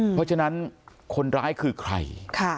เพราะฉะนั้นคนร้ายคือใคร